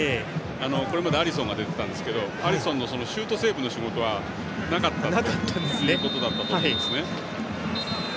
これまでアリソンが出ていましたがアリソンのシュートセーブの仕事がなかったということだったと思うんですね。